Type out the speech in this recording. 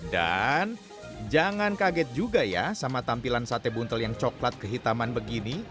dan jangan kaget juga ya sama tampilan sate buntal yang coklat kehitaman begini